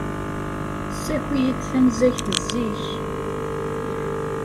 Ssaki-iyi-d tanezzayt zik.